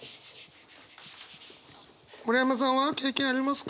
村山さんは経験ありますか？